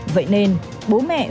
vậy nên bố mẹ phải